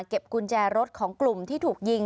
กุญแจรถของกลุ่มที่ถูกยิง